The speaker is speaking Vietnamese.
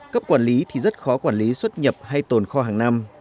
cấp quản lý thì rất khó quản lý xuất nhập hay tồn kho hàng năm